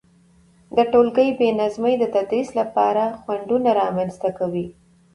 د تولګي بي نظمي د تدريس لپاره خنډونه رامنځته کوي،